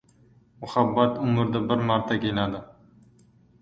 Muhabbat umrda bir marta keladi.